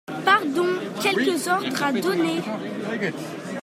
Pardon… quelques ordres à donner…